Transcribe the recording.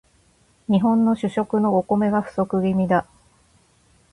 日本の主食のお米が不足気味だ